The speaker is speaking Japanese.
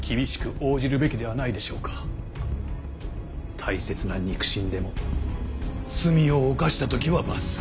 大切な肉親でも罪を犯した時は罰する。